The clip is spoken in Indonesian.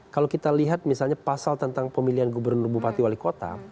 kalau kita lihat misalnya pasal tentang pemilihan gubernur bupati wali kota